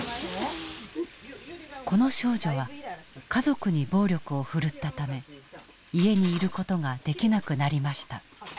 この少女は家族に暴力を振るったため家にいる事ができなくなりました。